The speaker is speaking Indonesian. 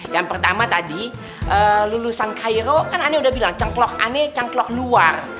yang pertama tadi lulusan cairo kan aneh udah bilang cengklok aneh cengklok luar